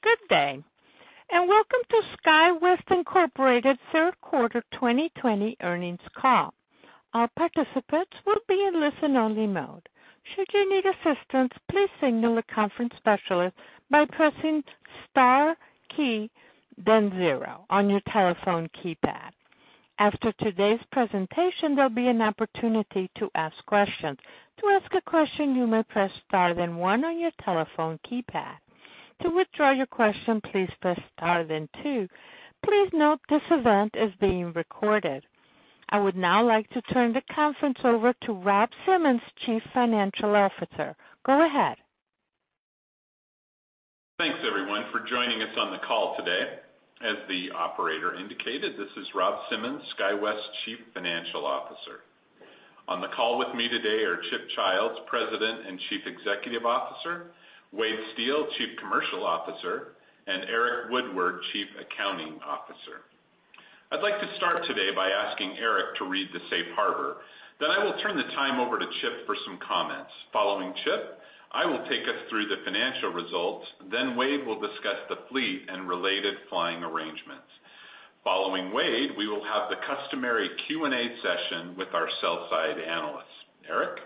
Good afternoon and welcome to SkyWest Incorporated's third quarter 2020 earnings call. All participants will be in listen-only mode. Should you need assistance, please signal the conference specialist by pressing the star key, then zero, on your telephone keypad. After today's presentation, there'll be an opportunity to ask questions. To ask a question, you may press star then one on your telephone keypad. To withdraw your question, please press star then two. Please note this event is being recorded. I would now like to turn the conference over to Rob Simmons, Chief Financial Officer. Go ahead. Thanks, everyone, for joining us on the call today. As the Operator indicated, this is Rob Simmons, SkyWest Chief Financial Officer. On the call with me today are Chip Childs, President and Chief Executive Officer; Wade Steel, Chief Commercial Officer; and Eric Woodward, Chief Accounting Officer. I'd like to start today by asking Eric to read the safe harbor. Then I will turn the time over to Chip for some comments. Following Chip, I will take us through the financial results, then Wade will discuss the fleet and related flying arrangements. Following Wade, we will have the customary Q&A session with our sell-side analysts. Eric?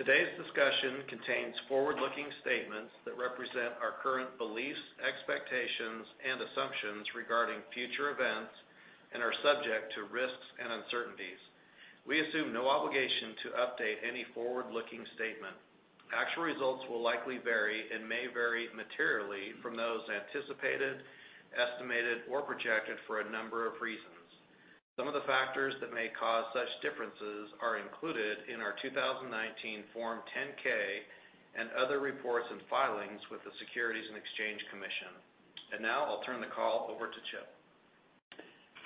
Today's discussion contains forward-looking statements that represent our current beliefs, expectations, and assumptions regarding future events and are subject to risks and uncertainties. We assume no obligation to update any forward-looking statement. Actual results will likely vary and may vary materially from those anticipated, estimated, or projected for a number of reasons. Some of the factors that may cause such differences are included in our 2019 Form 10-K and other reports and filings with the Securities and Exchange Commission. And now I'll turn the call over to Chip.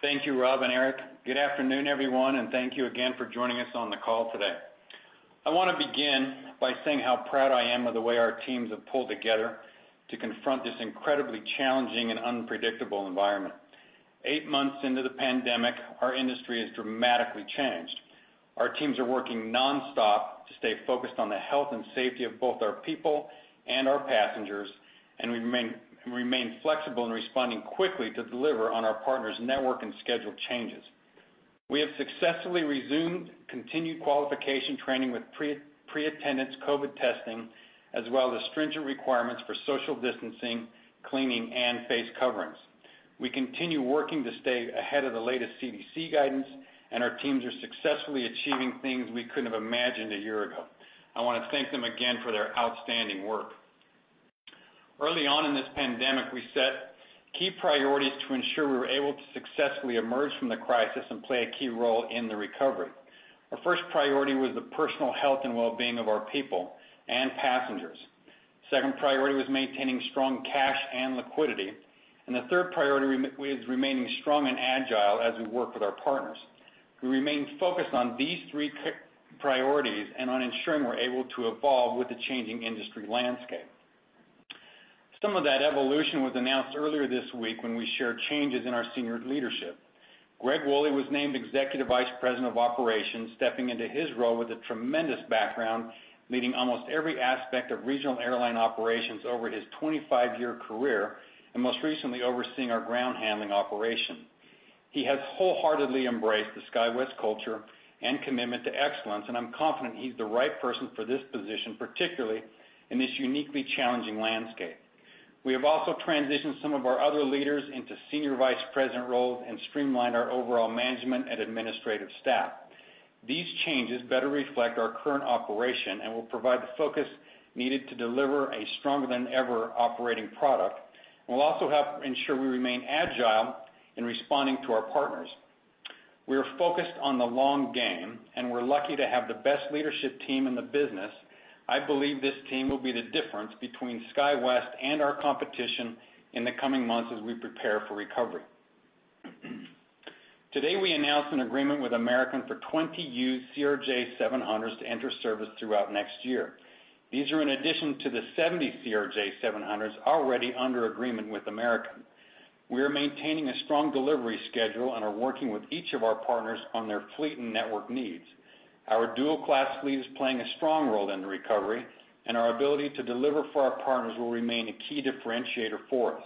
Thank you, Rob and Eric. Good afternoon, everyone, and thank you again for joining us on the call today. I want to begin by saying how proud I am of the way our teams have pulled together to confront this incredibly challenging and unpredictable environment. Eight months into the pandemic, our industry has dramatically changed. Our teams are working nonstop to stay focused on the health and safety of both our people and our passengers, and we remain flexible in responding quickly to deliver on our partners' network and schedule changes. We have successfully resumed continued qualification training with pre-attendance COVID testing, as well as stringent requirements for social distancing, cleaning, and face coverings. We continue working to stay ahead of the latest CDC guidance, and our teams are successfully achieving things we couldn't have imagined a year ago. I want to thank them again for their outstanding work. Early on in this pandemic, we set key priorities to ensure we were able to successfully emerge from the crisis and play a key role in the recovery. Our first priority was the personal health and well-being of our people and passengers. The second priority was maintaining strong cash and liquidity, and the third priority is remaining strong and agile as we work with our partners. We remain focused on these three priorities and on ensuring we're able to evolve with the changing industry landscape. Some of that evolution was announced earlier this week when we shared changes in our senior leadership. Greg Wooley was named Executive Vice President of Operations, stepping into his role with a tremendous background, leading almost every aspect of regional airline operations over his 25-year career and most recently overseeing our ground handling operation. He has wholeheartedly embraced the SkyWest culture and commitment to excellence, and I'm confident he's the right person for this position, particularly in this uniquely challenging landscape. We have also transitioned some of our other leaders into Senior Vice President roles and streamlined our overall management and administrative staff. These changes better reflect our current operation and will provide the focus needed to deliver a stronger-than-ever operating product. We'll also help ensure we remain agile in responding to our partners. We are focused on the long game, and we're lucky to have the best leadership team in the business. I believe this team will be the difference between SkyWest and our competition in the coming months as we prepare for recovery. Today, we announced an agreement with American for 20 used CRJ700s to enter service throughout next year. These are in addition to the 70 CRJ700s already under agreement with American. We are maintaining a strong delivery schedule and are working with each of our partners on their fleet and network needs. Our dual-class fleet is playing a strong role in the recovery, and our ability to deliver for our partners will remain a key differentiator for us.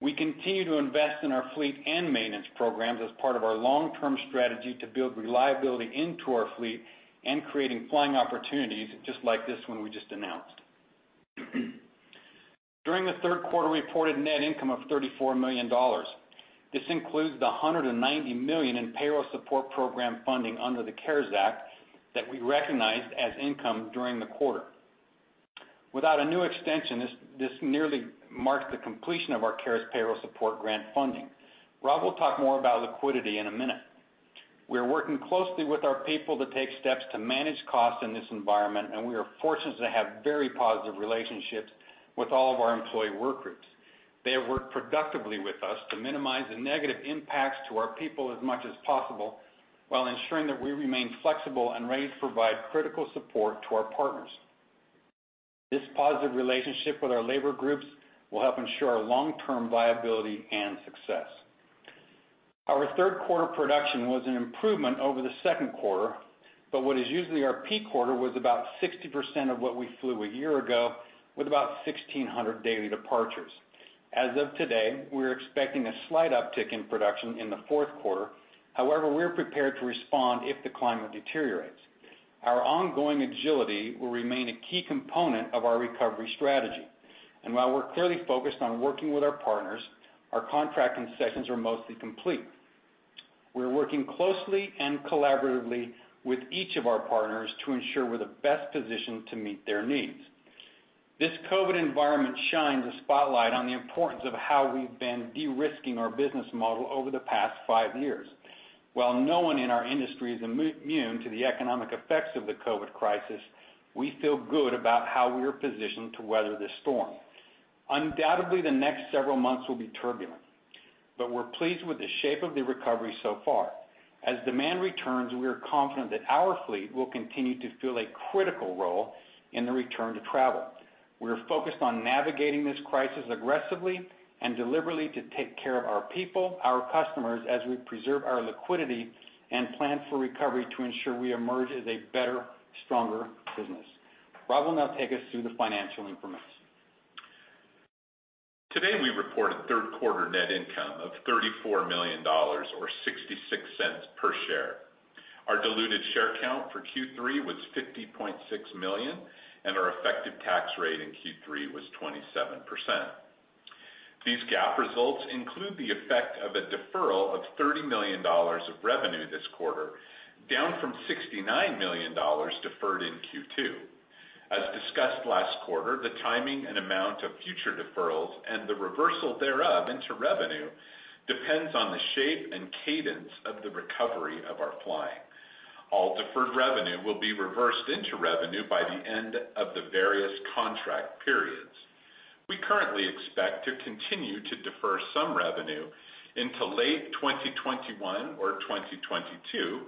We continue to invest in our fleet and maintenance programs as part of our long-term strategy to build reliability into our fleet and creating flying opportunities just like this one we just announced. During the third quarter, we reported net income of $34 million. This includes the $190 million in Payroll Support Program funding under the CARES Act that we recognized as income during the quarter. Without a new extension, this nearly marks the completion of our CARES payroll support grant funding. Rob will talk more about liquidity in a minute. We are working closely with our people to take steps to manage costs in this environment, and we are fortunate to have very positive relationships with all of our employee work groups. They have worked productively with us to minimize the negative impacts to our people as much as possible while ensuring that we remain flexible and ready to provide critical support to our partners. This positive relationship with our labor groups will help ensure our long-term viability and success. Our third quarter production was an improvement over the second quarter, but what is usually our peak quarter was about 60% of what we flew a year ago with about 1,600 daily departures. As of today, we're expecting a slight uptick in production in the fourth quarter. However, we're prepared to respond if the climate deteriorates. Our ongoing agility will remain a key component of our recovery strategy. And while we're clearly focused on working with our partners, our contracting sessions are mostly complete. We're working closely and collaboratively with each of our partners to ensure we're in the best position to meet their needs. This COVID environment shines a spotlight on the importance of how we've been de-risking our business model over the past five years. While no one in our industry is immune to the economic effects of the COVID crisis, we feel good about how we are positioned to weather this storm. Undoubtedly, the next several months will be turbulent, but we're pleased with the shape of the recovery so far. As demand returns, we are confident that our fleet will continue to fill a critical role in the return to travel. We are focused on navigating this crisis aggressively and deliberately to take care of our people, our customers, as we preserve our liquidity and plan for recovery to ensure we emerge as a better, stronger business. Rob will now take us through the financial information. Today, we reported third quarter net income of $34 million or $0.66 per share. Our diluted share count for Q3 was $50.6 million, and our effective tax rate in Q3 was 27%. These GAAP results include the effect of a deferral of $30 million of revenue this quarter, down from $69 million deferred in Q2. As discussed last quarter, the timing and amount of future deferrals and the reversal thereof into revenue depends on the shape and cadence of the recovery of our flying. All deferred revenue will be reversed into revenue by the end of the various contract periods. We currently expect to continue to defer some revenue into late 2021 or 2022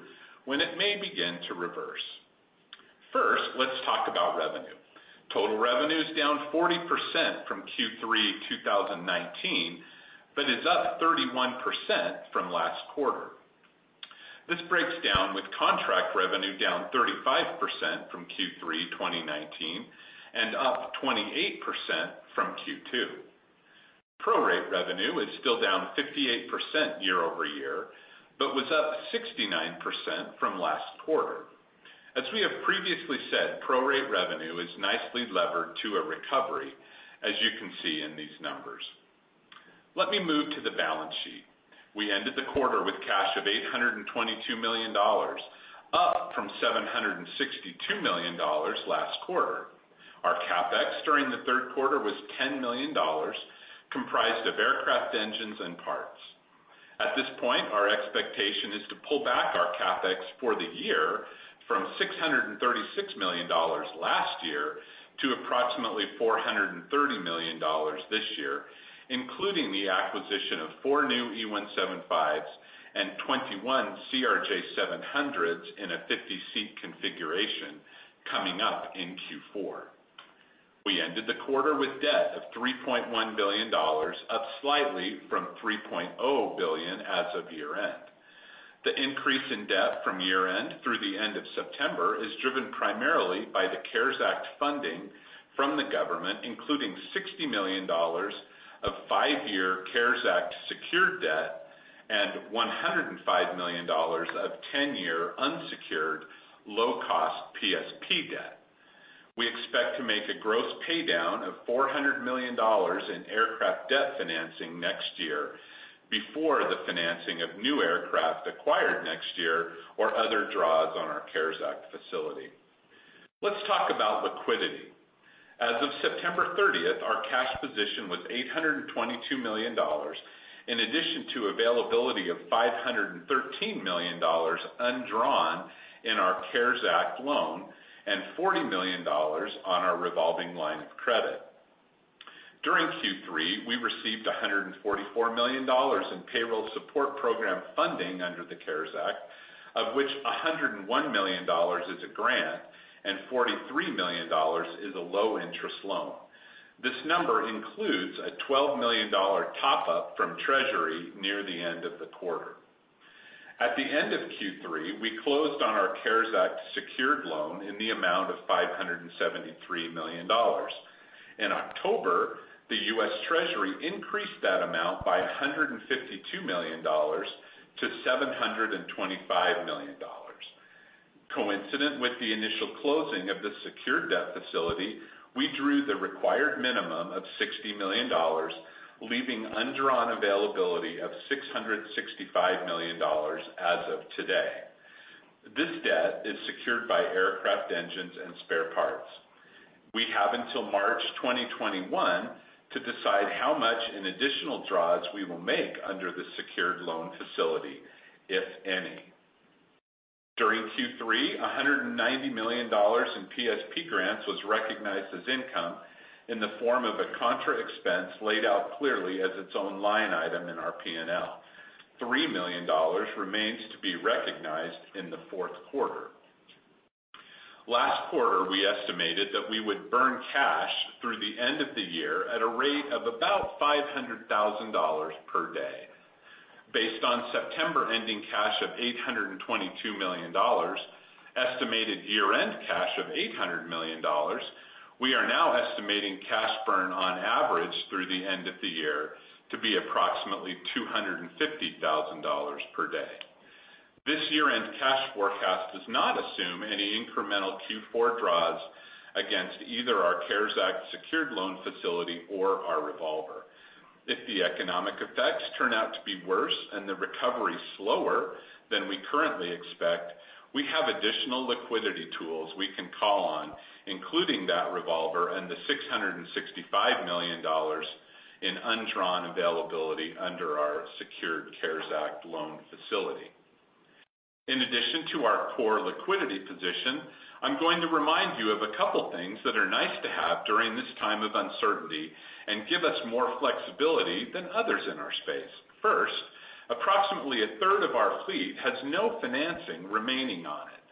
when it may begin to reverse. First, let's talk about revenue. Total revenue is down 40% from Q3 2019, but is up 31% from last quarter. This breaks down with contract revenue down 35% from Q3 2019 and up 28% from Q2. Prorate revenue is still down 58% year over year, but was up 69% from last quarter. As we have previously said, prorate revenue is nicely levered to a recovery, as you can see in these numbers. Let me move to the balance sheet. We ended the quarter with cash of $822 million, up from $762 million last quarter. Our CapEx during the third quarter was $10 million, comprised of aircraft engines and parts. At this point, our expectation is to pull back our CapEx for the year from $636 million last year to approximately $430 million this year, including the acquisition of four new E175s and 21 CRJ700s in a 50-seat configuration coming up in Q4. We ended the quarter with debt of $3.1 billion, up slightly from $3.0 billion as of year-end. The increase in debt from year-end through the end of September is driven primarily by the CARES Act funding from the government, including $60 million of five-year CARES Act secured debt and $105 million of 10-year unsecured low-cost PSP debt. We expect to make a gross paydown of $400 million in aircraft debt financing next year before the financing of new aircraft acquired next year or other draws on our CARES Act facility. Let's talk about liquidity. As of September 30th, our cash position was $822 million, in addition to availability of $513 million undrawn in our CARES Act loan and $40 million on our revolving line of credit. During Q3, we received $144 million in Payroll Support Program funding under the CARES Act, of which $101 million is a grant and $43 million is a low-interest loan. This number includes a $12 million top-up from Treasury near the end of the quarter. At the end of Q3, we closed on our CARES Act secured loan in the amount of $573 million. In October, the U.S. Treasury increased that amount by $152 million to $725 million. Coincident with the initial closing of the secured debt facility, we drew the required minimum of $60 million, leaving undrawn availability of $665 million as of today. This debt is secured by aircraft engines and spare parts. We have until March 2021 to decide how much in additional draws we will make under the secured loan facility, if any. During Q3, $190 million in PSP grants was recognized as income in the form of a contra expense laid out clearly as its own line item in our P&L. $3 million remains to be recognized in the fourth quarter. Last quarter, we estimated that we would burn cash through the end of the year at a rate of about $500,000 per day. Based on September ending cash of $822 million, estimated year-end cash of $800 million, we are now estimating cash burn on average through the end of the year to be approximately $250,000 per day. This year-end cash forecast does not assume any incremental Q4 draws against either our CARES Act secured loan facility or our revolver. If the economic effects turn out to be worse and the recovery slower than we currently expect, we have additional liquidity tools we can call on, including that revolver and the $665 million in undrawn availability under our secured CARES Act loan facility. In addition to our core liquidity position, I'm going to remind you of a couple of things that are nice to have during this time of uncertainty and give us more flexibility than others in our space. First, approximately a third of our fleet has no financing remaining on it.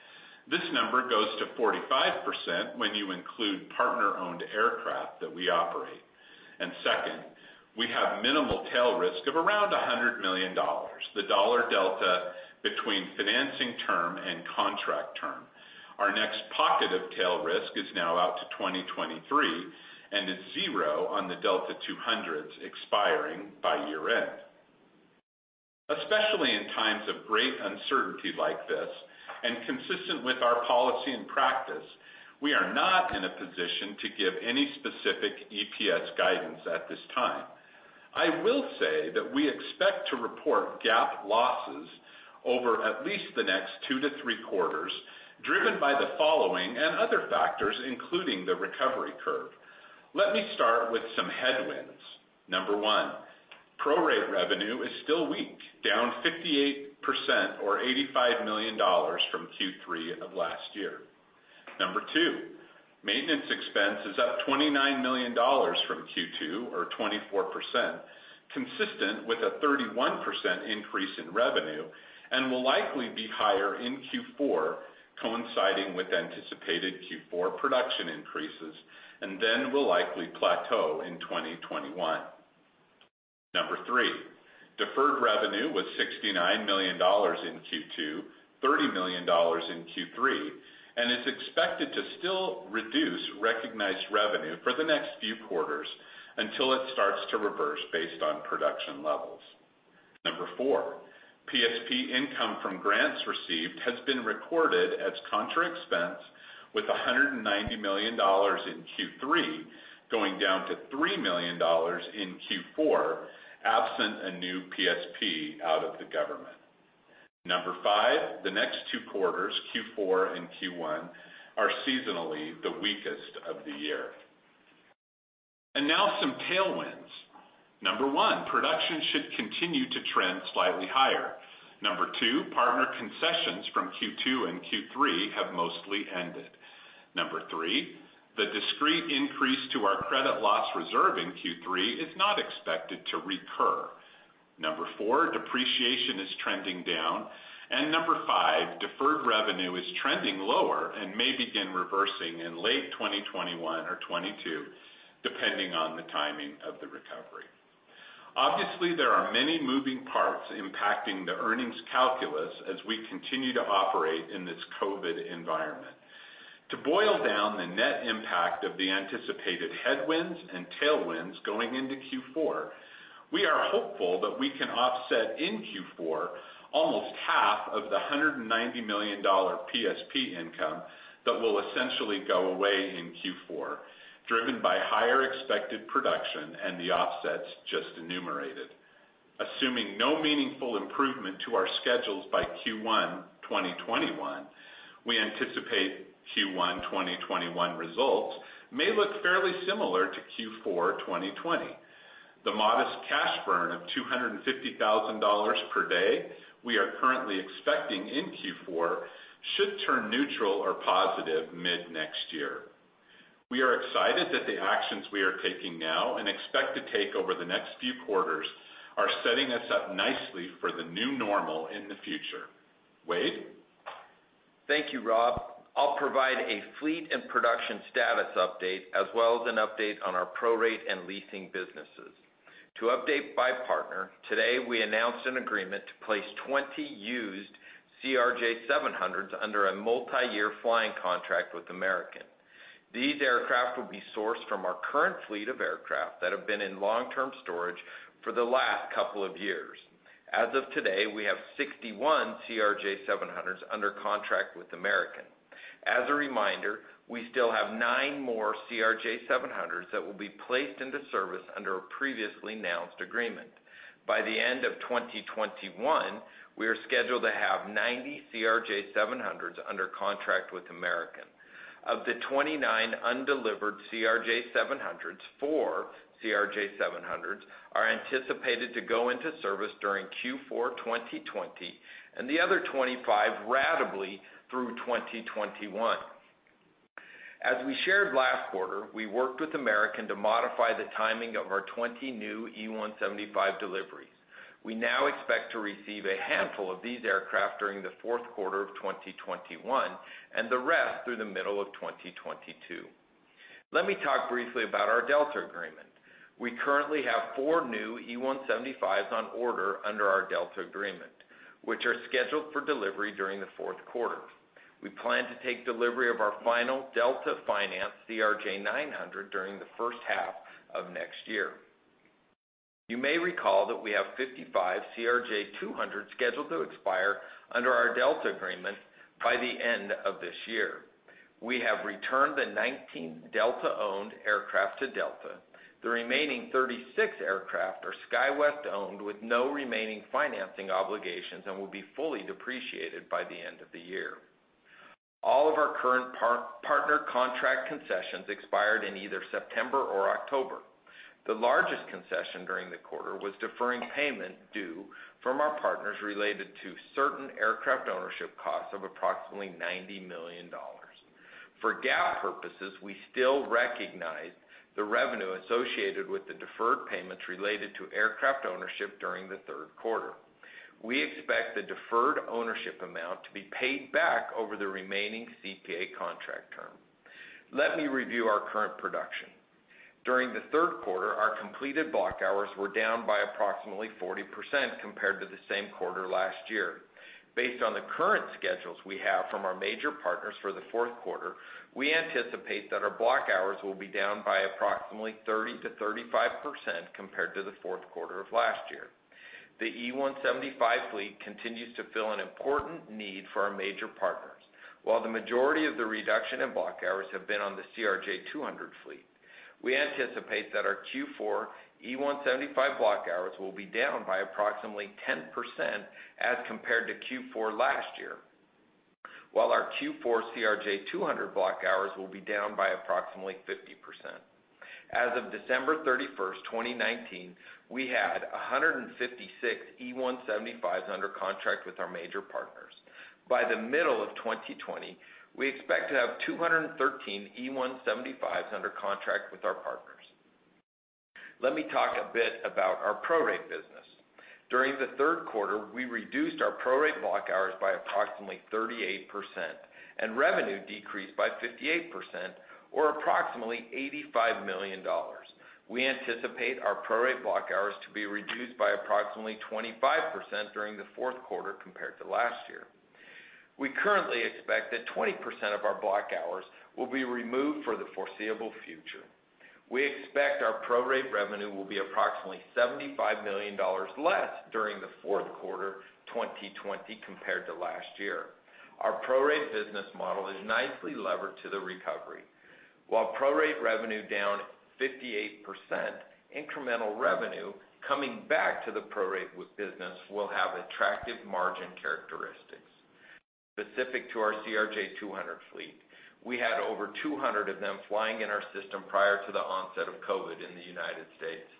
This number goes to 45% when you include partner-owned aircraft that we operate. And second, we have minimal tail risk of around $100 million, the dollar delta between financing term and contract term. Our next pocket of tail risk is now out to 2023 and is zero on the CRJ200s expiring by year-end. Especially in times of great uncertainty like this, and consistent with our policy and practice, we are not in a position to give any specific EPS guidance at this time. I will say that we expect to report GAAP losses over at least the next two to three quarters, driven by the following and other factors, including the recovery curve. Let me start with some headwinds. Number one, prorate revenue is still weak, down 58% or $85 million from Q3 of last year. Number two, maintenance expense is up $29 million from Q2 or 24%, consistent with a 31% increase in revenue and will likely be higher in Q4, coinciding with anticipated Q4 production increases, and then will likely plateau in 2021. Number three, deferred revenue was $69 million in Q2, $30 million in Q3, and is expected to still reduce recognized revenue for the next few quarters until it starts to reverse based on production levels. Number four, PSP income from grants received has been recorded as contra expense with $190 million in Q3 going down to $3 million in Q4, absent a new PSP out of the government. Number five, the next two quarters, Q4 and Q1, are seasonally the weakest of the year. And now some tailwinds. Number one, production should continue to trend slightly higher. Number two, partner concessions from Q2 and Q3 have mostly ended. Number three, the discrete increase to our credit loss reserve in Q3 is not expected to recur. Number four, depreciation is trending down. And number five, deferred revenue is trending lower and may begin reversing in late 2021 or 2022, depending on the timing of the recovery. Obviously, there are many moving parts impacting the earnings calculus as we continue to operate in this COVID environment. To boil down the net impact of the anticipated headwinds and tailwinds going into Q4, we are hopeful that we can offset in Q4 almost half of the $190 million PSP income that will essentially go away in Q4, driven by higher expected production and the offsets just enumerated. Assuming no meaningful improvement to our schedules by Q1 2021, we anticipate Q1 2021 results may look fairly similar to Q4 2020. The modest cash burn of $250,000 per day we are currently expecting in Q4 should turn neutral or positive mid-next year. We are excited that the actions we are taking now and expect to take over the next few quarters are setting us up nicely for the new normal in the future. Wade? Thank you, Rob. I'll provide a fleet and production status update, as well as an update on our prorate and leasing businesses. To update our partners, today we announced an agreement to place 20 used CRJ700s under a multi-year flying contract with American. These aircraft will be sourced from our current fleet of aircraft that have been in long-term storage for the last couple of years. As of today, we have 61 CRJ700s under contract with American. As a reminder, we still have nine more CRJ700s that will be placed into service under a previously announced agreement. By the end of 2021, we are scheduled to have 90 CRJ700s under contract with American. Of the 29 undelivered CRJ700s, four CRJ700s are anticipated to go into service during Q4 2020, and the other 25 gradually through 2021. As we shared last quarter, we worked with American to modify the timing of our 20 new E175 deliveries. We now expect to receive a handful of these aircraft during the fourth quarter of 2021 and the rest through the middle of 2022. Let me talk briefly about our Delta agreement. We currently have four new E175s on order under our Delta agreement, which are scheduled for delivery during the fourth quarter. We plan to take delivery of our final Delta finance CRJ900 during the first half of next year. You may recall that we have 55 CRJ200 scheduled to expire under our Delta agreement by the end of this year. We have returned the 19 Delta-owned aircraft to Delta. The remaining 36 aircraft are SkyWest-owned with no remaining financing obligations and will be fully depreciated by the end of the year. All of our current partner contract concessions expired in either September or October. The largest concession during the quarter was deferring payment due from our partners related to certain aircraft ownership costs of approximately $90 million. For GAAP purposes, we still recognize the revenue associated with the deferred payments related to aircraft ownership during the third quarter. We expect the deferred ownership amount to be paid back over the remaining CPA contract term. Let me review our current production. During the third quarter, our completed block hours were down by approximately 40% compared to the same quarter last year. Based on the current schedules we have from our major partners for the fourth quarter, we anticipate that our block hours will be down by approximately 30%-35% compared to the fourth quarter of last year. The E175 fleet continues to fill an important need for our major partners. While the majority of the reduction in block hours have been on the CRJ200 fleet, we anticipate that our Q4 E175 block hours will be down by approximately 10% as compared to Q4 last year, while our Q4 CRJ200 block hours will be down by approximately 50%. As of December 31st, 2019, we had 156 E175s under contract with our major partners. By the middle of 2020, we expect to have 213 E175s under contract with our partners. Let me talk a bit about our prorate business. During the third quarter, we reduced our prorate block hours by approximately 38%, and revenue decreased by 58% or approximately $85 million. We anticipate our prorate block hours to be reduced by approximately 25% during the fourth quarter compared to last year. We currently expect that 20% of our block hours will be removed for the foreseeable future. We expect our prorate revenue will be approximately $75 million less during the fourth quarter 2020 compared to last year. Our prorate business model is nicely levered to the recovery. While prorate revenue down 58%, incremental revenue coming back to the prorate business will have attractive margin characteristics. Specific to our CRJ200 fleet, we had over 200 of them flying in our system prior to the onset of COVID in the United States.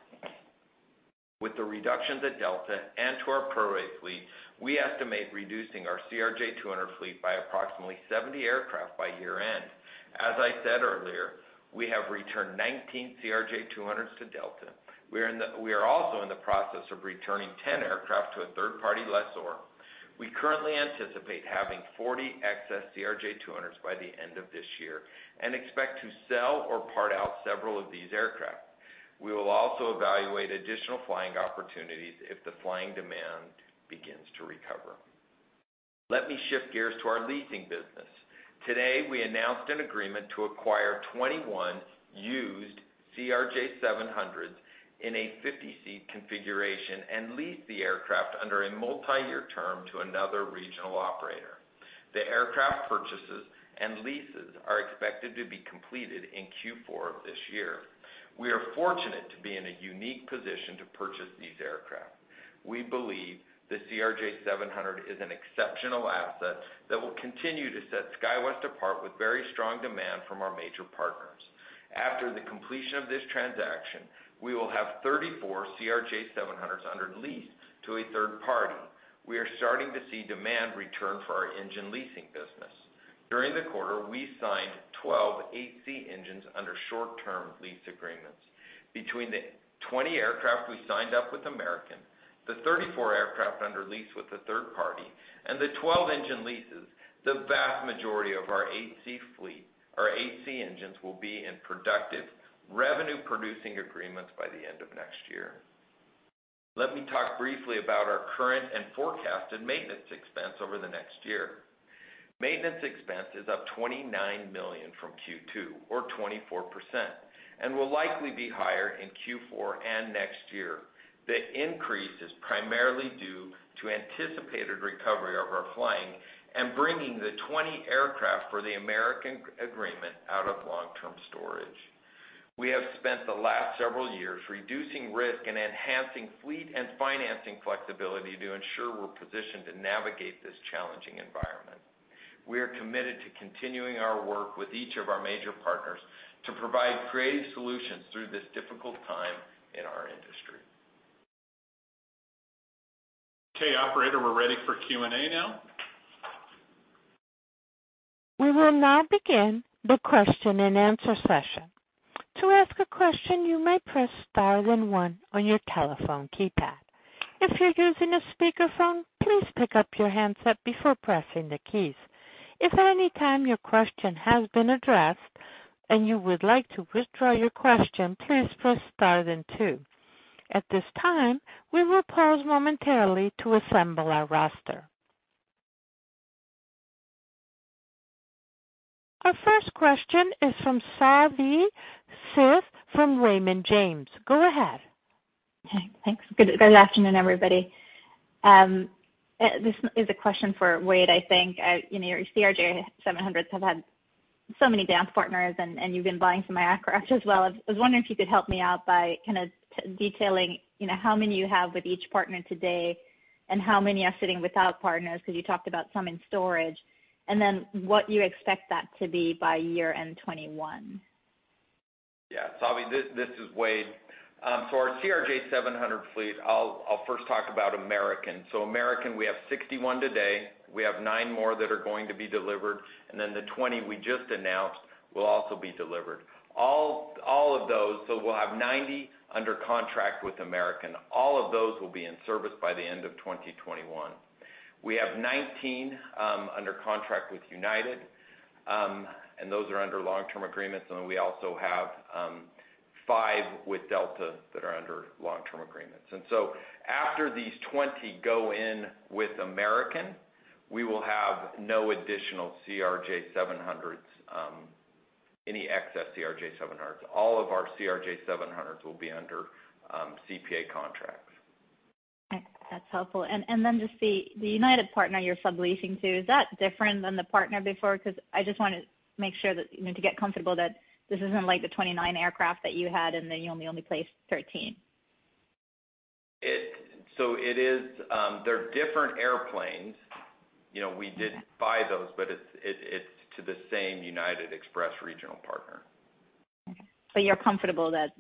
With the reductions at Delta and to our prorate fleet, we estimate reducing our CRJ200 fleet by approximately 70 aircraft by year-end. As I said earlier, we have returned 19 CRJ200s to Delta. We are also in the process of returning 10 aircraft to a third-party lessor. We currently anticipate having 40 excess CRJ200s by the end of this year and expect to sell or part out several of these aircraft. We will also evaluate additional flying opportunities if the flying demand begins to recover. Let me shift gears to our leasing business. Today, we announced an agreement to acquire 21 used CRJ700s in a 50-seat configuration and lease the aircraft under a multi-year term to another regional operator. The aircraft purchases and leases are expected to be completed in Q4 of this year. We are fortunate to be in a unique position to purchase these aircraft. We believe the CRJ700 is an exceptional asset that will continue to set SkyWest apart with very strong demand from our major partners. After the completion of this transaction, we will have 34 CRJ700s under lease to a third party. We are starting to see demand return for our engine leasing business. During the quarter, we signed 12 8C engines under short-term lease agreements. Between the 20 aircraft we signed up with American, the 34 aircraft under lease with a third party, and the 12 engine leases, the vast majority of our 8C fleet, our 8C engines will be in productive, revenue-producing agreements by the end of next year. Let me talk briefly about our current and forecasted maintenance expense over the next year. Maintenance expense is up $29 million from Q2, or 24%, and will likely be higher in Q4 and next year. The increase is primarily due to anticipated recovery of our flying and bringing the 20 aircraft for the American agreement out of long-term storage. We have spent the last several years reducing risk and enhancing fleet and financing flexibility to ensure we're positioned to navigate this challenging environment. We are committed to continuing our work with each of our major partners to provide creative solutions through this difficult time in our industry. Okay, operator, we're ready for Q&A now. We will now begin the question and answer session. To ask a question, you may press star then one on your telephone keypad. If you're using a speakerphone, please pick up your handset before pressing the keys. If at any time your question has been addressed and you would like to withdraw your question, please press star then two. At this time, we will pause momentarily to assemble our roster. Our first question is from Savi Syth from Raymond James. Go ahead. Okay, thanks. Good afternoon, everybody. This is a question for Wade, I think. Your CRJ700s have had so many down partners, and you've been buying some aircraft as well. I was wondering if you could help me out by kind of detailing how many you have with each partner today and how many are sitting without partners, because you talked about some in storage, and then what you expect that to be by year-end 2021? Yeah, Savi, this is Wade. So our CRJ700 fleet, I'll first talk about American. So American, we have 61 today. We have nine more that are going to be delivered, and then the 20 we just announced will also be delivered. All of those, so we'll have 90 under contract with American. All of those will be in service by the end of 2021. We have 19 under contract with United, and those are under long-term agreements, and we also have five with Delta that are under long-term agreements. And so after these 20 go in with American, we will have no additional CRJ700s, any excess CRJ700s. All of our CRJ700s will be under CPA contracts. That's helpful. And then just the United partner you're subleasing to, is that different than the partner before? Because I just want to make sure that, to get comfortable, that this isn't like the 29 aircraft that you had, and then you only placed 13. So it is, they're different airplanes. We did buy those, but it's to the same United Express regional partner. But you're comfortable that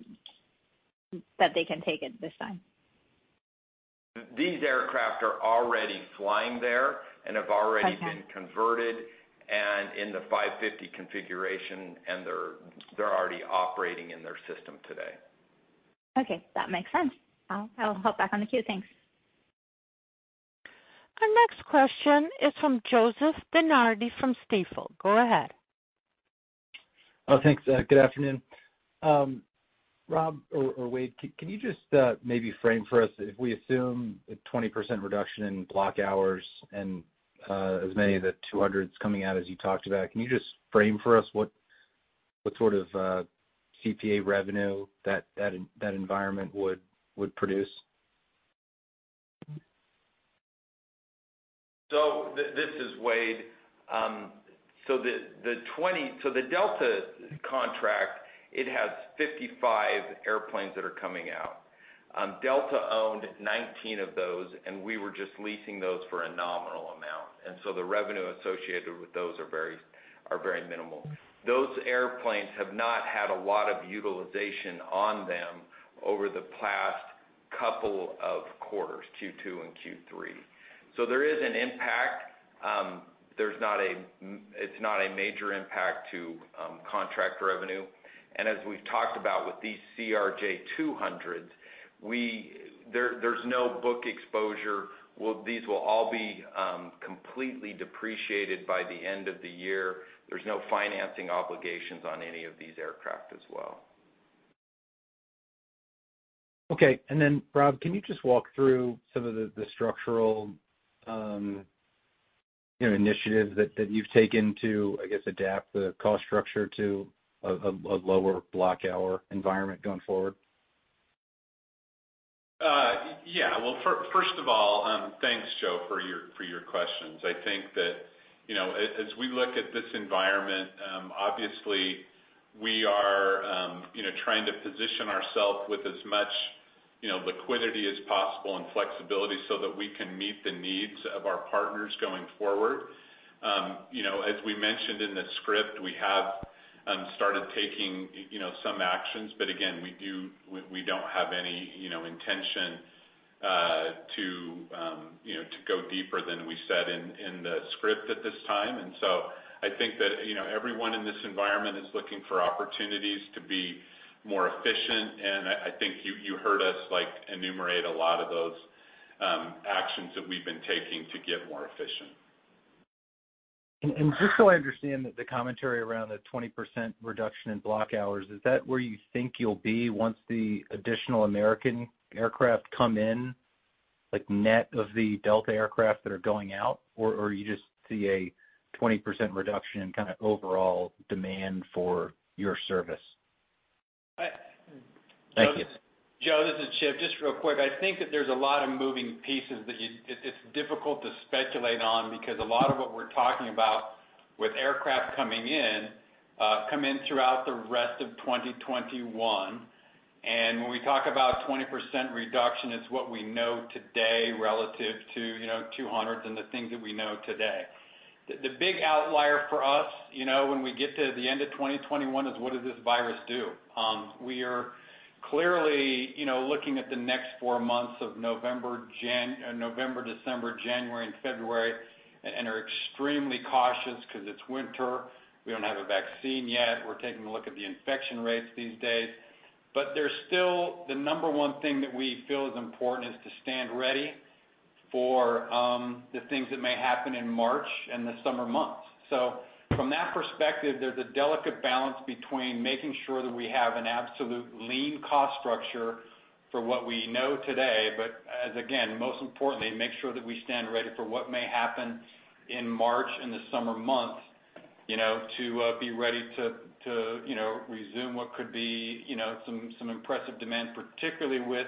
they can take it this time? These aircraft are already flying there and have already been converted and in the 550 configuration, and they're already operating in their system today. Okay, that makes sense. I'll hop back on the queue. Thanks. Our next question is from Joseph DeNardi from Stifel. Go ahead. Oh, thanks. Good afternoon. Rob or Wade, can you just maybe frame for us, if we assume a 20% reduction in block hours and as many of the 200s coming out as you talked about, can you just frame for us what sort of CPA revenue that environment would produce? So this is Wade. So the Delta contract, it has 55 airplanes that are coming out. Delta owned 19 of those, and we were just leasing those for a nominal amount. And so the revenue associated with those are very minimal. Those airplanes have not had a lot of utilization on them over the past couple of quarters, Q2 and Q3. So there is an impact. It's not a major impact to contract revenue. And as we've talked about with these CRJ200s, there's no book exposure. These will all be completely depreciated by the end of the year. There's no financing obligations on any of these aircraft as well. Okay. And then, Rob, can you just walk through some of the structural initiatives that you've taken to, I guess, adapt the cost structure to a lower block hour environment going forward? Yeah. Well, first of all, thanks, Joe, for your questions. I think that as we look at this environment, obviously, we are trying to position ourselves with as much liquidity as possible and flexibility so that we can meet the needs of our partners going forward. As we mentioned in the script, we have started taking some actions, but again, we don't have any intention to go deeper than we said in the script at this time. And so I think that everyone in this environment is looking for opportunities to be more efficient, and I think you heard us enumerate a lot of those actions that we've been taking to get more efficient. And just so I understand the commentary around the 20% reduction in block hours, is that where you think you'll be once the additional American aircraft come in, like net of the Delta aircraft that are going out, or you just see a 20% reduction in kind of overall demand for your service? Thank you. Joe, this is Chip. Just real quick, I think that there's a lot of moving pieces that it's difficult to speculate on because a lot of what we're talking about with aircraft coming in throughout the rest of 2021, and when we talk about 20% reduction, it's what we know today relative to 200s and the things that we know today. The big outlier for us when we get to the end of 2021 is what does this virus do? We are clearly looking at the next four months of November, December, January, and February, and are extremely cautious because it's winter. We don't have a vaccine yet. We're taking a look at the infection rates these days, but the number one thing that we feel is important is to stand ready for the things that may happen in March and the summer months. So from that perspective, there's a delicate balance between making sure that we have an absolute lean cost structure for what we know today, but again, most importantly, make sure that we stand ready for what may happen in March and the summer months to be ready to resume what could be some impressive demand, particularly with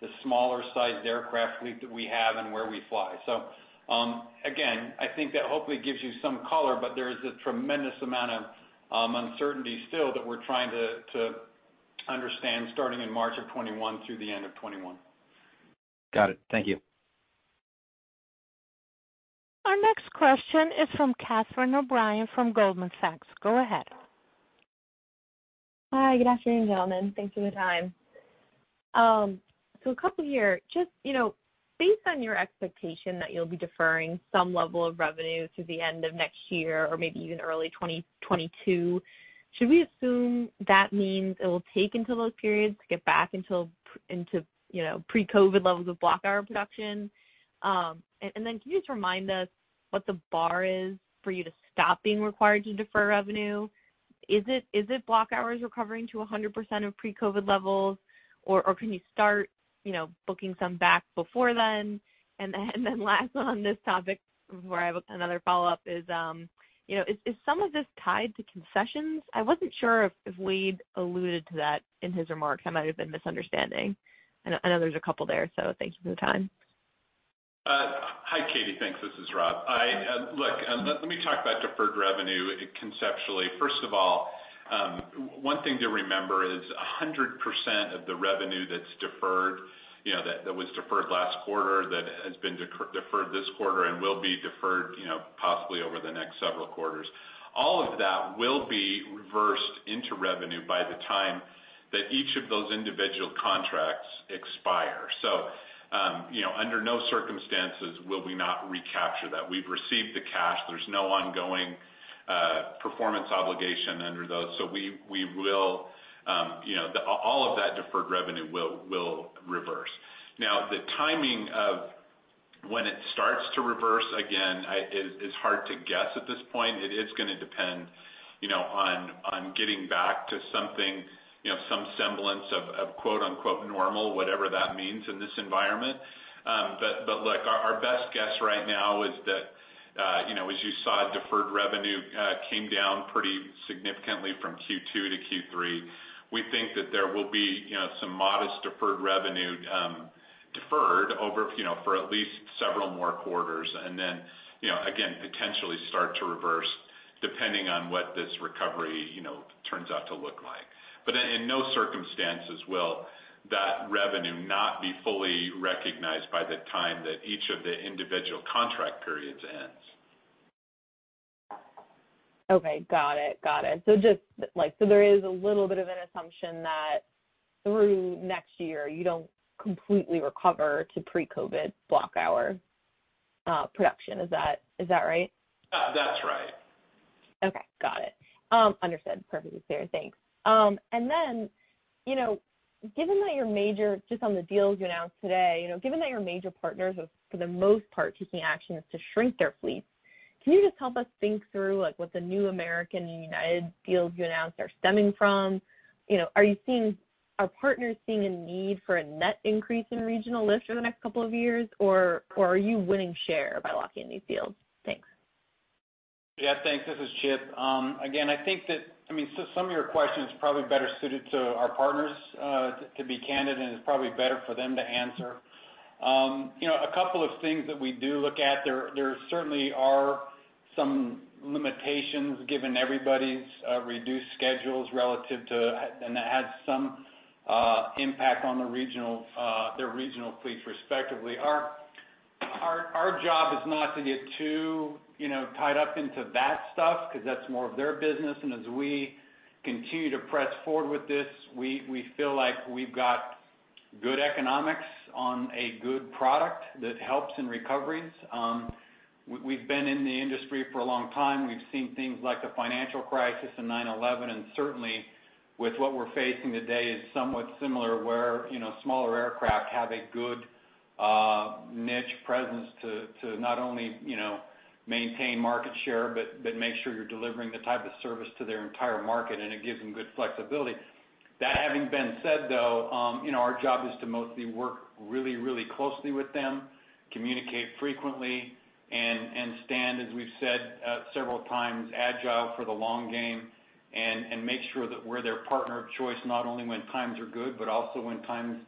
the smaller-sized aircraft fleet that we have and where we fly. So again, I think that hopefully gives you some color, but there is a tremendous amount of uncertainty still that we're trying to understand starting in March of 2021 through the end of 2021. Got it. Thank you. Our next question is from Catherine O'Brien from Goldman Sachs. Go ahead. Hi, good afternoon, gentlemen. Thanks for the time. So a couple here. Just based on your expectation that you'll be deferring some level of revenue to the end of next year or maybe even early 2022, should we assume that means it will take until those periods to get back into pre-COVID levels of block hour production? And then can you just remind us what the bar is for you to stop being required to defer revenue? Is it block hours recovering to 100% of pre-COVID levels, or can you start booking some back before then? And then last on this topic, before I have another follow-up, is some of this tied to concessions? I wasn't sure if Wade alluded to that in his remarks. I might have been misunderstanding. I know there's a couple there, so thank you for the time. Hi, Catie. Thanks. This is Rob. Look, let me talk about deferred revenue conceptually. First of all, one thing to remember is 100% of the revenue that's deferred, that was deferred last quarter, that has been deferred this quarter and will be deferred possibly over the next several quarters, all of that will be reversed into revenue by the time that each of those individual contracts expire. So under no circumstances will we not recapture that. We've received the cash. There's no ongoing performance obligation under those. So we will, all of that deferred revenue will reverse. Now, the timing of when it starts to reverse again is hard to guess at this point. It is going to depend on getting back to something, some semblance of "normal," whatever that means in this environment. But look, our best guess right now is that, as you saw, deferred revenue came down pretty significantly from Q2 to Q3. We think that there will be some modest deferred revenue for at least several more quarters, and then again, potentially start to reverse depending on what this recovery turns out to look like. But in no circumstances will that revenue not be fully recognized by the time that each of the individual contract periods ends. Okay. Got it. Got it. So there is a little bit of an assumption that through next year, you don't completely recover to pre-COVID block hour production. Is that right? That's right. Okay. Got it. Understood. Perfectly clear. Thanks. And then given that your major, just on the deals you announced today, given that your major partners are, for the most part, taking actions to shrink their fleets, can you just help us think through what the new American and United deals you announced are stemming from? Are our partners seeing a need for a net increase in regional lift over the next couple of years, or are you winning share by locking in these deals? Thanks. Yeah, thanks. This is Chip. Again, I think that, I mean, some of your questions are probably better suited to our partners, to be candid, and it's probably better for them to answer. A couple of things that we do look at, there certainly are some limitations given everybody's reduced schedules relative to, and that has some impact on their regional fleets respectively. Our job is not to get too tied up into that stuff because that's more of their business. And as we continue to press forward with this, we feel like we've got good economics on a good product that helps in recoveries. We've been in the industry for a long time. We've seen things like the financial crisis in 9/11, and certainly with what we're facing today is somewhat similar where smaller aircraft have a good niche presence to not only maintain market share, but make sure you're delivering the type of service to their entire market, and it gives them good flexibility. That having been said, though, our job is to mostly work really, really closely with them, communicate frequently, and stand, as we've said several times, agile for the long game and make sure that we're their partner of choice not only when times are good, but also when times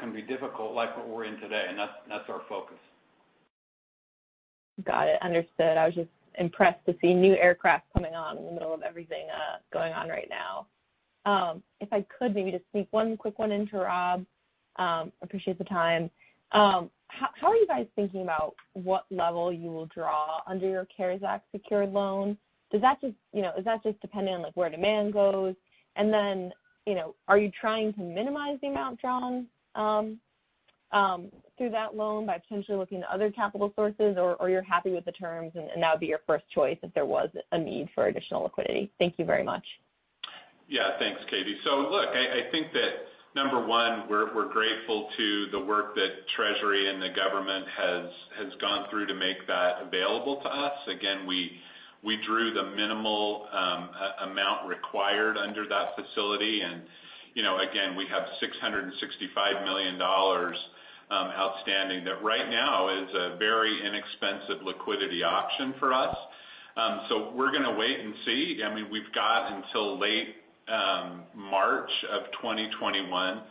can be difficult like what we're in today, and that's our focus. Got it. Understood. I was just impressed to see new aircraft coming on in the middle of everything going on right now. If I could, maybe just sneak one quick one in to Rob. Appreciate the time. How are you guys thinking about what level you will draw under your CARES Act secured loan? Does that just depend on where demand goes? And then are you trying to minimize the amount drawn through that loan by potentially looking at other capital sources, or you're happy with the terms and that would be your first choice if there was a need for additional liquidity? Thank you very much. Yeah. Thanks, Catie. So look, I think that number one, we're grateful to the work that Treasury and the government has gone through to make that available to us. Again, we drew the minimal amount required under that facility. And again, we have $665 million outstanding that right now is a very inexpensive liquidity option for us. So we're going to wait and see. I mean, we've got until late March of 2021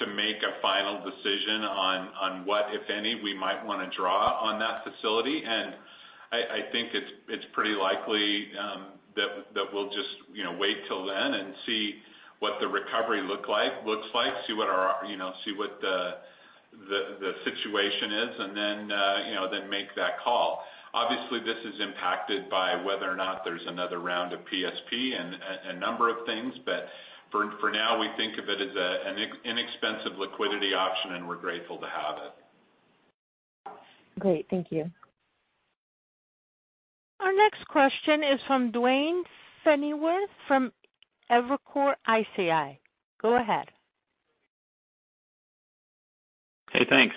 to make a final decision on what, if any, we might want to draw on that facility. And I think it's pretty likely that we'll just wait till then and see what the recovery looks like, see what the situation is, and then make that call. Obviously, this is impacted by whether or not there's another round of PSP and a number of things, but for now, we think of it as an inexpensive liquidity option, and we're grateful to have it. Great. Thank you. Our next question is from Duane Pfennigwerth from Evercore ISI. Go ahead. Hey, thanks.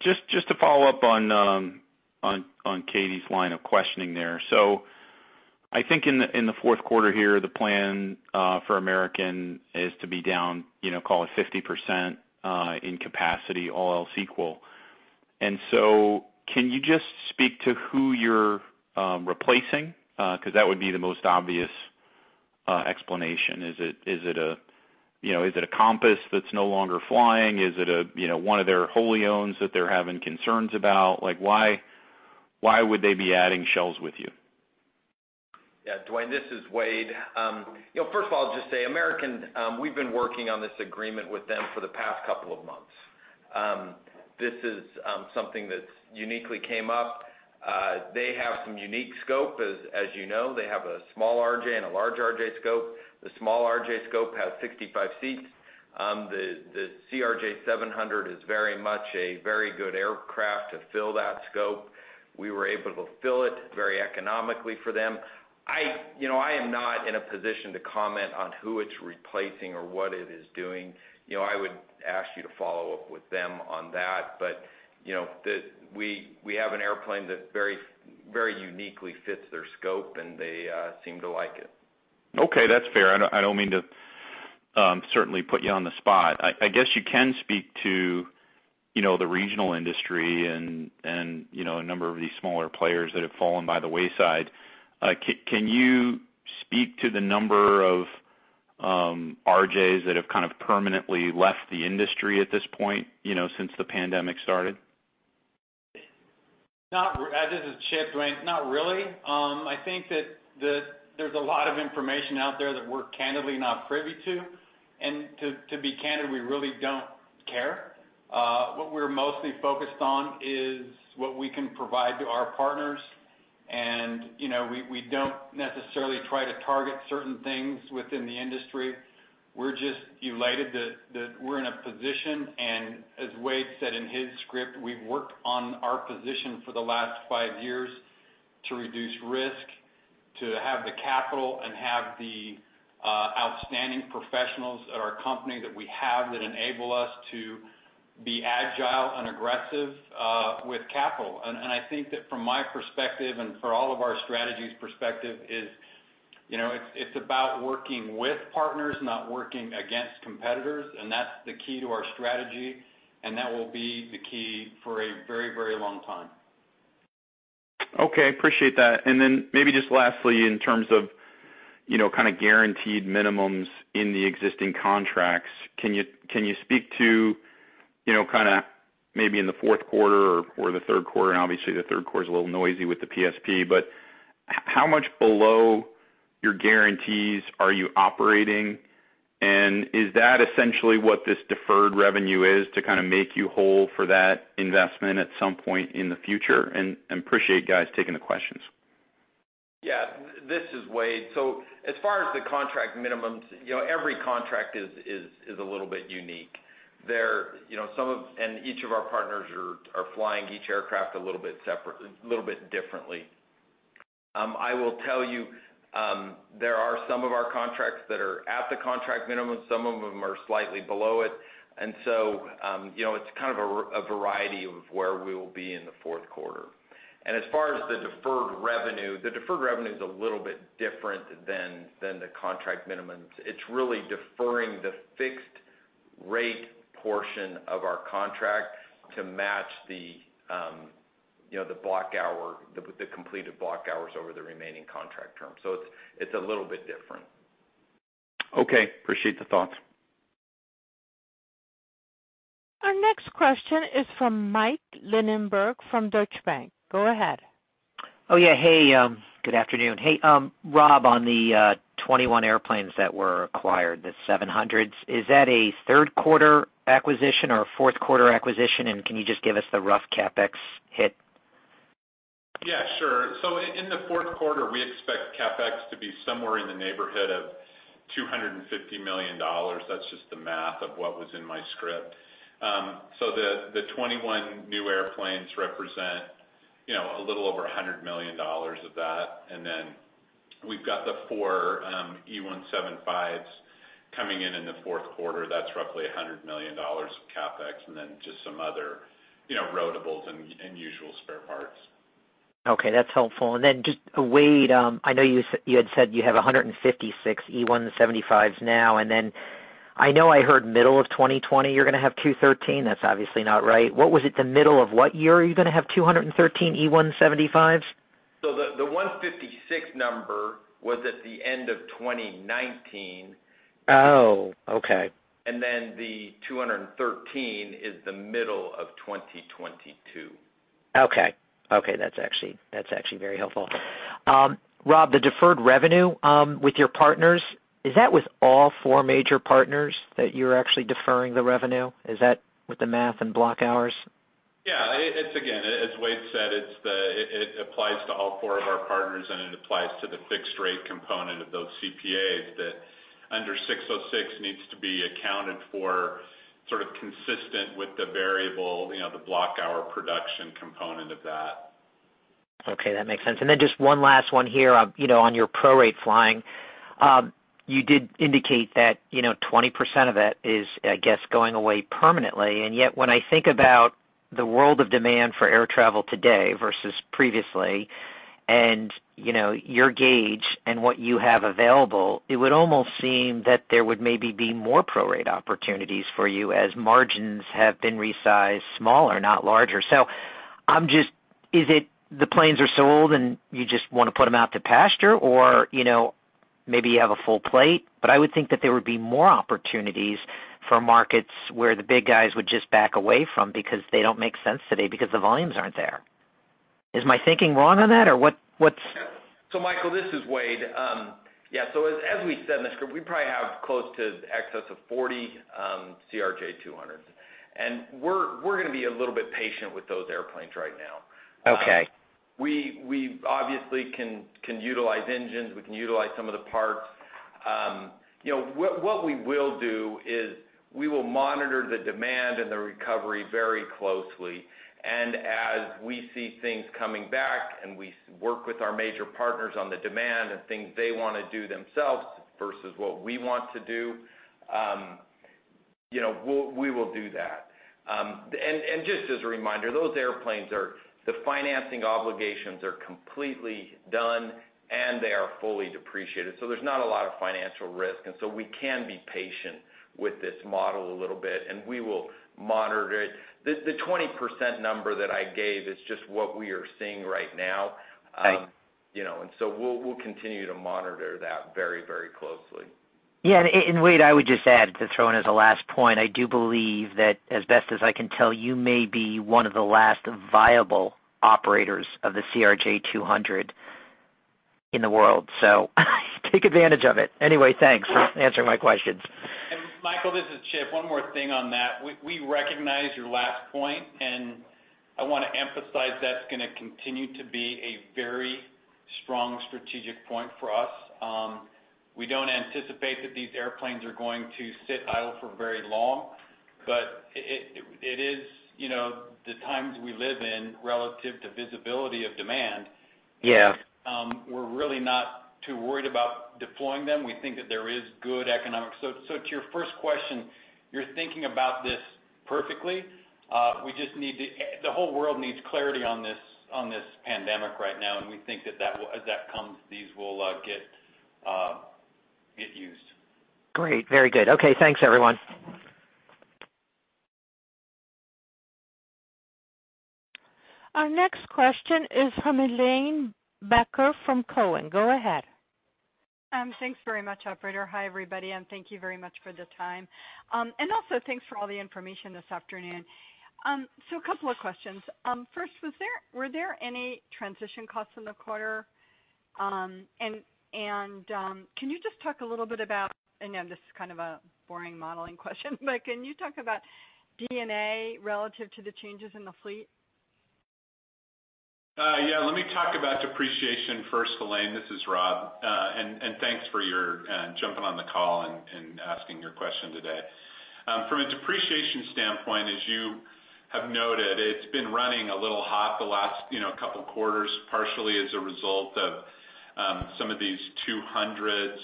Just to follow up on Catie's line of questioning there. So I think in the fourth quarter here, the plan for American is to be down, call it 50% in capacity, all else equal. And so can you just speak to who you're replacing? Because that would be the most obvious explanation. Is it a Compass that's no longer flying? Is it one of their wholly-owned that they're having concerns about? Why would they be adding slots with you? Yeah. Duane, this is Wade. First of all, I'll just say American, we've been working on this agreement with them for the past couple of months. This is something that uniquely came up. They have some unique scope, as you know. They have a small RJ and a large RJ scope. The small RJ scope has 65 seats. The CRJ700 is very much a very good aircraft to fill that scope. We were able to fill it very economically for them. I am not in a position to comment on who it's replacing or what it is doing. I would ask you to follow up with them on that. But we have an airplane that very uniquely fits their scope, and they seem to like it. Okay. That's fair. I don't mean to certainly put you on the spot. I guess you can speak to the regional industry and a number of these smaller players that have fallen by the wayside. Can you speak to the number of RJs that have kind of permanently left the industry at this point since the pandemic started? This is Chip. Duane, not really. I think that there's a lot of information out there that we're candidly not privy to. And to be candid, we really don't care. What we're mostly focused on is what we can provide to our partners. And we don't necessarily try to target certain things within the industry. We're just elated that we're in a position. And as Wade said in his script, we've worked on our position for the last five years to reduce risk, to have the capital, and have the outstanding professionals at our company that we have that enable us to be agile and aggressive with capital. And I think that from my perspective and for all of our strategies' perspective, it's about working with partners, not working against competitors. And that will be the key to our strategy. And that will be the key for a very, very long time. Okay. Appreciate that. And then maybe just lastly, in terms of kind of guaranteed minimums in the existing contracts, can you speak to kind of maybe in the fourth quarter or the third quarter? And obviously, the third quarter is a little noisy with the PSP. But how much below your guarantees are you operating? And is that essentially what this deferred revenue is to kind of make you whole for that investment at some point in the future? And appreciate guys taking the questions. Yeah. This is Wade. So as far as the contract minimums, every contract is a little bit unique. And each of our partners are flying each aircraft a little bit differently. I will tell you there are some of our contracts that are at the contract minimum. Some of them are slightly below it. And so it's kind of a variety of where we will be in the fourth quarter. And as far as the deferred revenue, the deferred revenue is a little bit different than the contract minimums. It's really deferring the fixed rate portion of our contract to match the block hour, the completed block hours over the remaining contract term. So it's a little bit different. Okay. Appreciate the thoughts. Our next question is from Mike Linenberg from Deutsche Bank. Go ahead. Good afternoon. Hey, Rob, on the 21 airplanes that were acquired, the 700s, is that a third-quarter acquisition or a fourth-quarter acquisition? And can you just give us the rough CapEx hit? Yeah. Sure. So in the fourth quarter, we expect CapEx to be somewhere in the neighborhood of $250 million. That's just the math of what was in my script. So the 21 new airplanes represent a little over $100 million of that. And then we've got the four E175s coming in in the fourth quarter. That's roughly $100 million of CapEx and then just some other rotables and usual spare parts. Okay. That's helpful. And then just Wade, I know you had said you have 156 E175s now. And then I know I heard middle of 2020 you're going to have 213. That's obviously not right. What was it? The middle of what year are you going to have 213 E175s? The 156 number was at the end of 2019. Oh. Okay. And then the 213 is the middle of 2022. Okay. Okay. That's actually very helpful. Rob, the deferred revenue with your partners, is that with all four major partners that you're actually deferring the revenue? Is that with the math and block hours? Yeah. Again, as Wade said, it applies to all four of our partners, and it applies to the fixed rate component of those CPAs that under 606 needs to be accounted for sort of consistent with the variable, the block hour production component of that. Okay. That makes sense. And then just one last one here on your prorate flying. You did indicate that 20% of that is, I guess, going away permanently. And yet when I think about the world of demand for air travel today versus previously and your gauge and what you have available, it would almost seem that there would maybe be more prorate opportunities for you as margins have been resized smaller, not larger. So is it the planes are sold and you just want to put them out to pasture, or maybe you have a full plate? But I would think that there would be more opportunities for markets where the big guys would just back away from because they don't make sense today because the volumes aren't there. Is my thinking wrong on that, or what's? So Michael, this is Wade. Yeah. So as we said in the script, we probably have close to excess of 40 CRJ200s. And we're going to be a little bit patient with those airplanes right now. Okay. We obviously can utilize engines. We can utilize some of the parts. What we will do is we will monitor the demand and the recovery very closely. And as we see things coming back and we work with our major partners on the demand and things they want to do themselves versus what we want to do, we will do that. And just as a reminder, those airplanes, the financing obligations are completely done, and they are fully depreciated. So there's not a lot of financial risk. And so we can be patient with this model a little bit, and we will monitor it. The 20% number that I gave is just what we are seeing right now. And so we'll continue to monitor that very, very closely. Yeah. And Wade, I would just add to throw in as a last point, I do believe that as best as I can tell, you may be one of the last viable operators of the CRJ200 in the world. So take advantage of it. Anyway, thanks for answering my questions. Michael, this is Chip. One more thing on that. We recognize your last point, and I want to emphasize that's going to continue to be a very strong strategic point for us. We don't anticipate that these airplanes are going to sit idle for very long, but it is the times we live in relative to visibility of demand. We're really not too worried about deploying them. We think that there is good economics, so to your first question, you're thinking about this perfectly. We just need. The whole world needs clarity on this pandemic right now, and we think that as that comes, these will get used. Great. Very good. Okay. Thanks, everyone. Our next question is from Helane Becker from Cowen. Go ahead. Thanks very much, Operator. Hi, everybody. And thank you very much for the time. And also, thanks for all the information this afternoon. So a couple of questions. First, were there any transition costs in the quarter? And can you just talk a little bit about, and this is kind of a boring modeling question, but can you talk about D&A relative to the changes in the fleet? Yeah. Let me talk about depreciation first, Helane. This is Rob. And thanks for jumping on the call and asking your question today. From a depreciation standpoint, as you have noted, it's been running a little hot the last couple of quarters, partially as a result of some of these 200s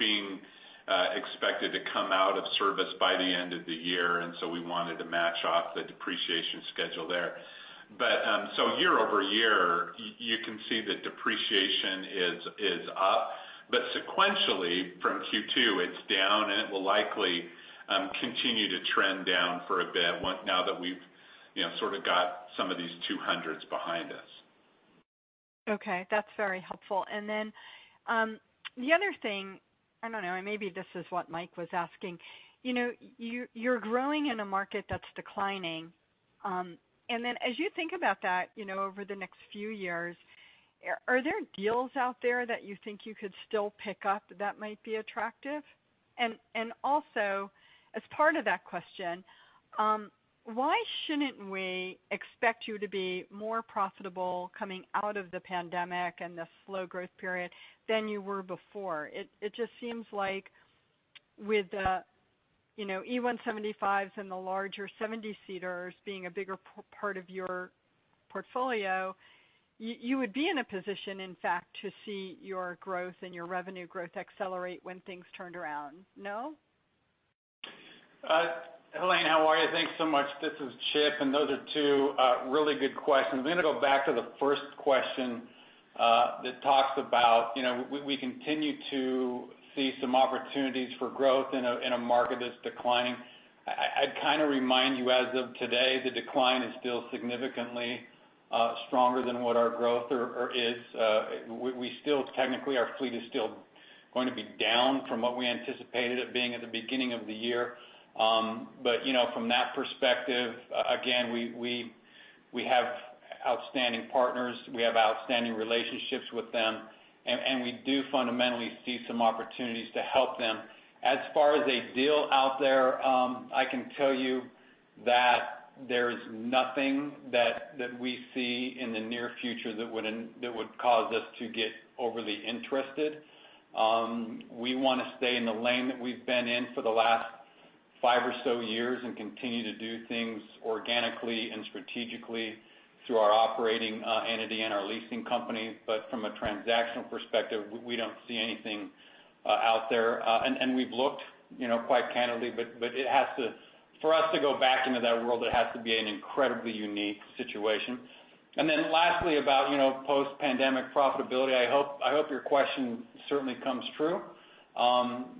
being expected to come out of service by the end of the year. And so we wanted to match off the depreciation schedule there. So year over year, you can see that depreciation is up. But sequentially, from Q2, it's down, and it will likely continue to trend down for a bit now that we've sort of got some of these 200s behind us. Okay. That's very helpful. And then the other thing, I don't know. Maybe this is what Mike was asking, you're growing in a market that's declining. And then as you think about that over the next few years, are there deals out there that you think you could still pick up that might be attractive? And also, as part of that question, why shouldn't we expect you to be more profitable coming out of the pandemic and the slow growth period than you were before? It just seems like with the E175s and the larger 70-seaters being a bigger part of your portfolio, you would be in a position, in fact, to see your growth and your revenue growth accelerate when things turned around. No? Helane, how are you? Thanks so much. This is Chip. And those are two really good questions. I'm going to go back to the first question that talks about we continue to see some opportunities for growth in a market that's declining. I'd kind of remind you, as of today, the decline is still significantly stronger than what our growth is. Technically, our fleet is still going to be down from what we anticipated it being at the beginning of the year. But from that perspective, again, we have outstanding partners. We have outstanding relationships with them. And we do fundamentally see some opportunities to help them. As far as a deal out there, I can tell you that there is nothing that we see in the near future that would cause us to get overly interested. We want to stay in the lane that we've been in for the last five or so years and continue to do things organically and strategically through our operating entity and our leasing company. But from a transactional perspective, we don't see anything out there. And we've looked, quite candidly, but for us to go back into that world, it has to be an incredibly unique situation. And then lastly, about post-pandemic profitability, I hope your question certainly comes true.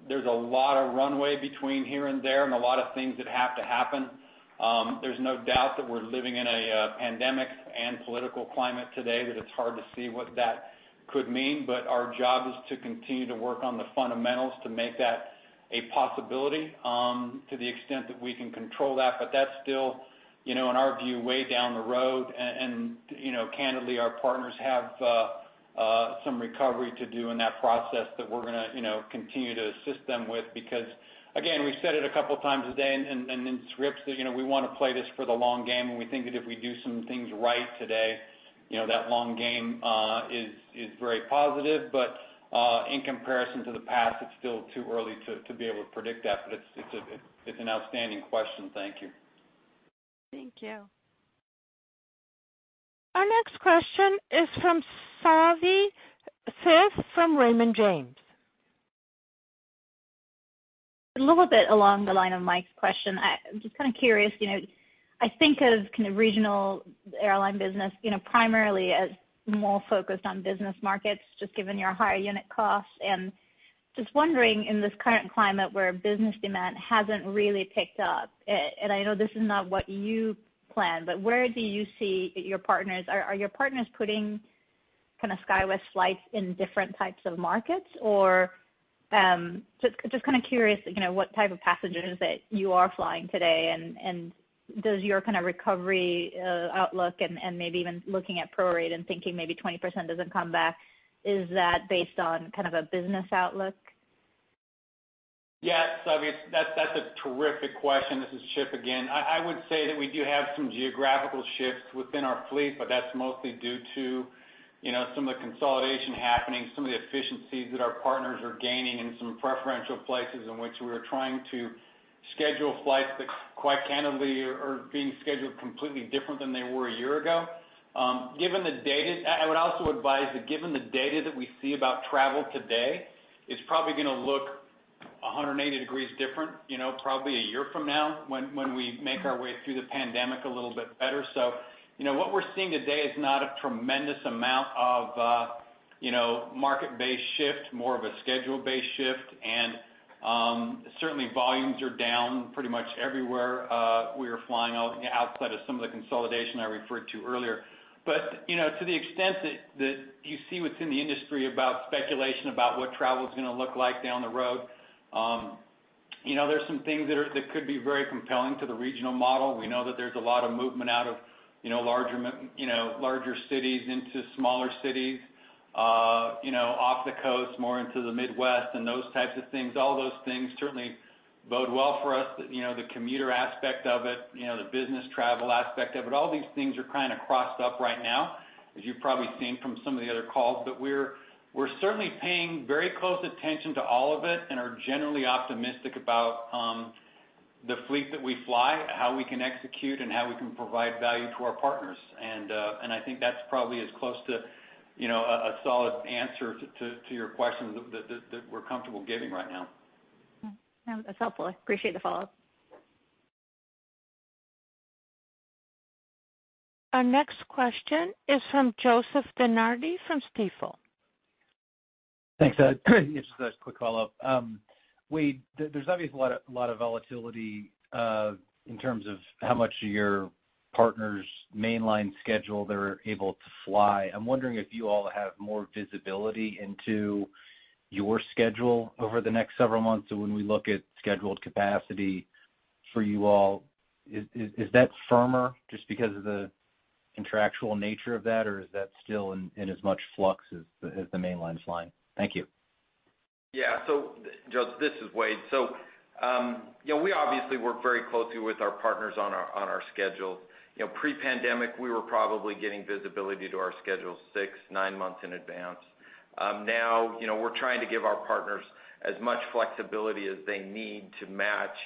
There's a lot of runway between here and there and a lot of things that have to happen. There's no doubt that we're living in a pandemic and political climate today that it's hard to see what that could mean. But our job is to continue to work on the fundamentals to make that a possibility to the extent that we can control that. But that's still, in our view, way down the road. And candidly, our partners have some recovery to do in that process that we're going to continue to assist them with because, again, we said it a couple of times today and in scripts that we want to play this for the long game. And we think that if we do some things right today, that long game is very positive. But in comparison to the past, it's still too early to be able to predict that. But it's an outstanding question. Thank you. Thank you. Our next question is from Savi Syth from Raymond James. A little bit along the line of Mike's question. I'm just kind of curious. I think of regional airline business primarily as more focused on business markets, just given your higher unit costs. And just wondering, in this current climate where business demand hasn't really picked up, and I know this is not what you plan, but where do you see your partners? Are your partners putting kind of SkyWest flights in different types of markets, or just kind of curious what type of passengers that you are flying today, and does your kind of recovery outlook and maybe even looking at prorate and thinking maybe 20% doesn't come back? Is that based on kind of a business outlook? Yeah. So that's a terrific question. This is Chip again. I would say that we do have some geographical shifts within our fleet, but that's mostly due to some of the consolidation happening, some of the efficiencies that our partners are gaining, and some preferential places in which we are trying to schedule flights that, quite candidly, are being scheduled completely different than they were a year ago. I would also advise that given the data that we see about travel today, it's probably going to look 180 degrees different, probably a year from now, when we make our way through the pandemic a little bit better. So what we're seeing today is not a tremendous amount of market-based shift, more of a schedule-based shift. And certainly, volumes are down pretty much everywhere we are flying outside of some of the consolidation I referred to earlier. But to the extent that you see what's in the industry about speculation about what travel is going to look like down the road, there are some things that could be very compelling to the regional model. We know that there's a lot of movement out of larger cities into smaller cities, off the coast, more into the Midwest, and those types of things. All those things certainly bode well for us. The commuter aspect of it, the business travel aspect of it, all these things are kind of crossed up right now, as you've probably seen from some of the other calls. But we're certainly paying very close attention to all of it and are generally optimistic about the fleet that we fly, how we can execute, and how we can provide value to our partners. I think that's probably as close to a solid answer to your question that we're comfortable giving right now. That's helpful. I appreciate the follow-up. Our next question is from Joseph DeNardi from Stifel. Thanks. Just a quick follow-up. Wade, there's obviously a lot of volatility in terms of how much of your partners' mainline schedule they're able to fly. I'm wondering if you all have more visibility into your schedule over the next several months. So when we look at scheduled capacity for you all, is that firmer just because of the contractual nature of that, or is that still in as much flux as the mainline's line? Thank you. Yeah. So this is Wade. So we obviously work very closely with our partners on our schedules. Pre-pandemic, we were probably getting visibility to our schedules six, nine months in advance. Now, we're trying to give our partners as much flexibility as they need to match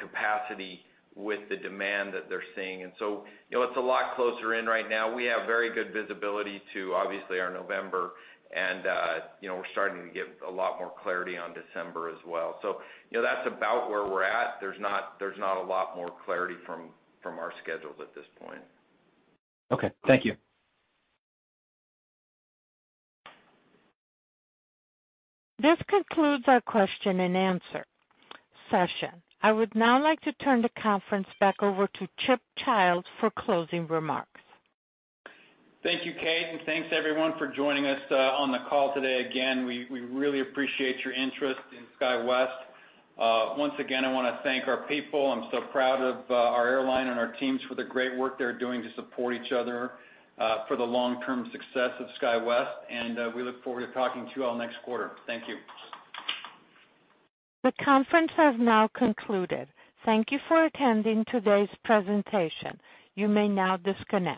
capacity with the demand that they're seeing. And so it's a lot closer in right now. We have very good visibility to, obviously, our November. And we're starting to get a lot more clarity on December as well. So that's about where we're at. There's not a lot more clarity from our schedules at this point. Okay. Thank you. This concludes our question-and-answer session. I would now like to turn the conference back over to Chip Childs for closing remarks. Thank you, Kate. And thanks, everyone, for joining us on the call today. Again, we really appreciate your interest in SkyWest. Once again, I want to thank our people. I'm so proud of our airline and our teams for the great work they're doing to support each other for the long-term success of SkyWest. And we look forward to talking to you all next quarter. Thank you. The conference has now concluded. Thank you for attending today's presentation. You may now disconnect.